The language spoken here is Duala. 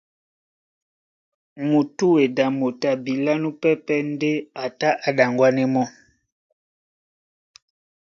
Mutúedi a motoi abilá núpɛ́pɛ̄ ndé a tá a ɗaŋwanɛ mɔ́.